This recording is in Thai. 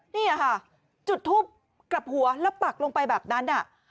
นี่ค่ะจุดทูปกลับหัวแล้วปักลงไปแบบนั้น